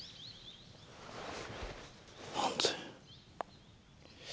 何で？